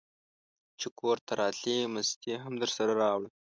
چې کورته راتلې مستې هم درسره راوړه!